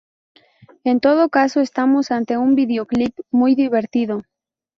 En todo caso estamos ante un videoclip muy divertido.